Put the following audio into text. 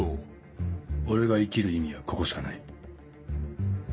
俺が生きる意味はここしかない。